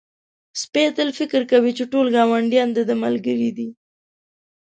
سپی تل فکر کوي چې ټول ګاونډیان د ده ملګري دي.